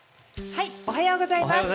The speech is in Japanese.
おはようございます。